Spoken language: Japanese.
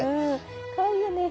かわいいよね。